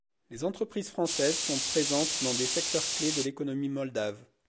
Les entreprises françaises sont présentes dans des secteurs clés de l'économie moldave.